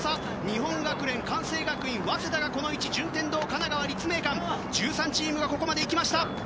日本学連、関西学院早稲田、順天堂、神奈川、立命館１３チームがここまで行きました